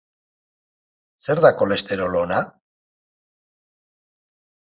Zer da kolesterol ona?